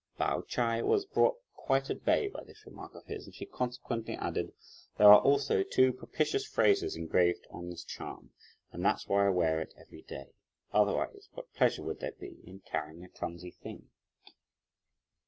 Pao Ch'ai was brought quite at bay by this remark of his, and she consequently added, "There are also two propitious phrases engraved on this charm, and that's why I wear it every day. Otherwise, what pleasure would there be in carrying a clumsy thing."